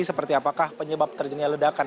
seperti apakah penyebab terjadinya ledakan